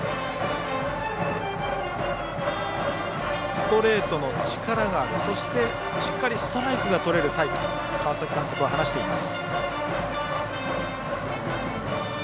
ストレートの力があるそして、しっかりストライクがとれるタイプと川崎監督は話しています。